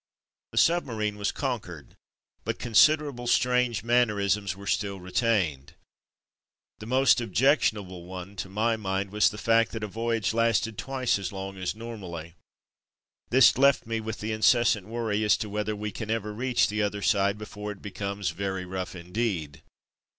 The submarine was conquered, but con siderable strange mannerisms were still retained. The most objectionable one, to my mind, was the fact that a voyage lasted twice as long as normally. This left me with the incessant worry as to whether we can ever reach the other side before it be comes ''very rough indeed.''